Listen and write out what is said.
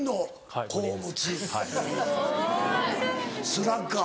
スラッガー。